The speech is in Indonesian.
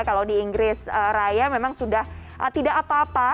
kalau di inggris raya memang sudah tidak apa apa